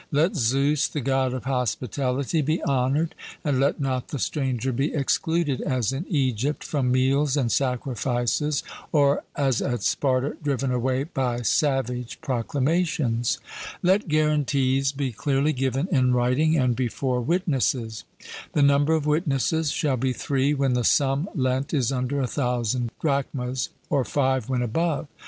Let Zeus, the God of hospitality, be honoured; and let not the stranger be excluded, as in Egypt, from meals and sacrifices, or, (as at Sparta,) driven away by savage proclamations. Let guarantees be clearly given in writing and before witnesses. The number of witnesses shall be three when the sum lent is under a thousand drachmas, or five when above.